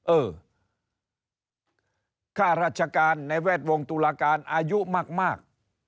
เออค่าราชการในแวดวงตุลาการอายุมาก